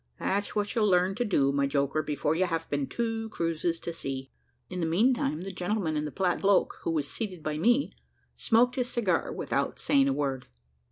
"That's what you'll learn to do, my joker, before you have been two cruises to sea." In the meantime the gentleman in the plaid cloak, who was seated by me, smoked his cigar without saying a word.